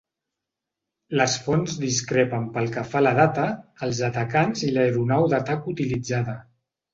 Les fonts discrepen pel que fa a la data, els atacants i l'aeronau d'atac utilitzada.